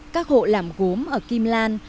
các hộ làm gốm ở kim lan